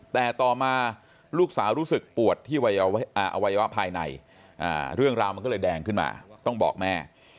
แต่ต่อมาลูกสาวรู้สึกปวดที่อวัยวะภายในเรื่องราวมันก็เลยแดงขึ้นมาต้องบอกแม่